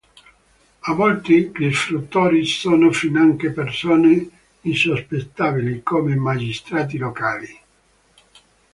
A volte gli sfruttatori sono finanche persone insospettabili, come magistrati locali.